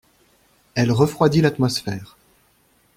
Elle refroidit l’atmosphère.